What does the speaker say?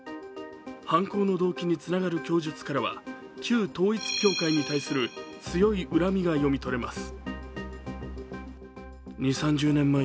犯行の動機につながる供述からは旧統一教会に対する強い恨みが読み取れます。